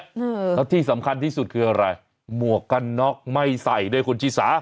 แล้วที่สำคัญที่สุดคืออะไรหมวกกันน็อกไม่ใส่ด้วยคุณชิสา